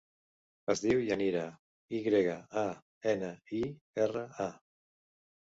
Es diu Yanira: i grega, a, ena, i, erra, a.